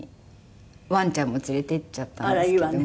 ワンちゃんも連れて行っちゃったんですけども。